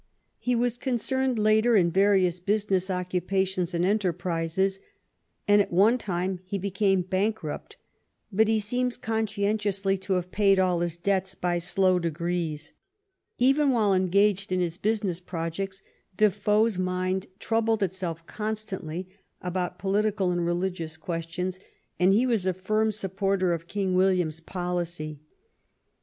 He was concerned later in various business occupations and enterprises, and at one time he became bankrupt, but he seems conscientiously to have paid all his debts by slow de grees. Even while engaged in his business projects Defoe's mind troubled itself constantly about political and religious questions, and he was a firm supporter of King William's policy.